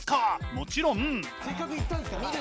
もちろん。